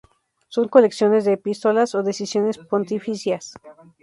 Son colecciones de epístolas o decisiones pontificias.